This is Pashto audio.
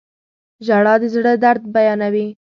• ژړا د زړه درد بیانوي.